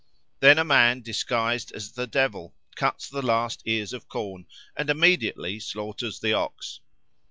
Then a man disguised as the Devil cuts the last ears of corn and immediately slaughters the ox.